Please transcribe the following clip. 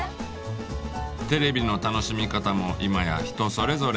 テレビの楽しみ方も今や人それぞれ。